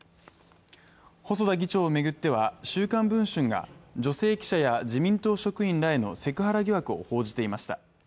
細田議長を巡っては、「週刊文春」が女性記者や自民党職員らへのセクハラ疑惑を報じていました。